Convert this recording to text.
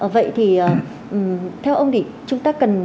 vậy thì theo ông thì chúng ta cần